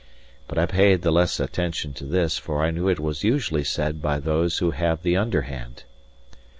But I paid the less attention to this, for I knew it was usually said by those who have the underhand.